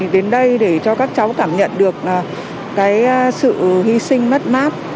đến đây để cho các cháu cảm nhận được sự hy sinh mất mát